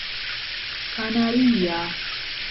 kanaria